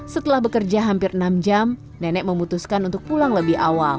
setelah bekerja hampir enam jam nenek memutuskan untuk pulang lebih awal